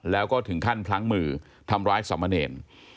แล้วก็ถึงขั้นพลั้งมือทำร้ายสามเณร